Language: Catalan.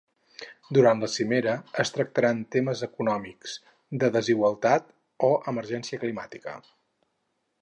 Durant la cimera es tractaran temes econòmics, de desigualtat o emergència climàtica.